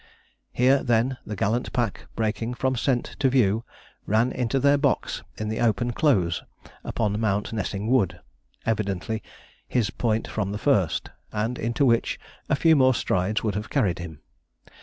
Here, then, the gallant pack, breaking from scent to view, ran into their box in the open close upon Mountnessing Wood, evidently his point from the first, and into which a few more strides would have carried him.